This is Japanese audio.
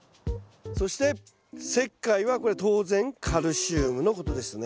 そして石灰はこれ当然カルシウムのことですね。